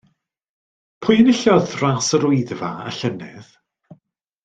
Pwy enillodd Ras yr Wyddfa y llynedd?